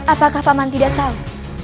apakah paman tidak tahu